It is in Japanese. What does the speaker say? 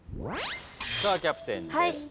さあキャプテンです。